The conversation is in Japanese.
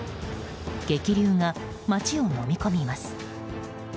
激流が街をのみ込みます。